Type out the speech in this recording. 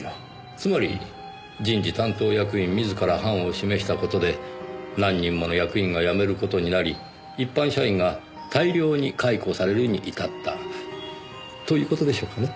つまり人事担当役員自ら範を示した事で何人もの役員が辞める事になり一般社員が大量に解雇されるに至ったという事でしょうかね？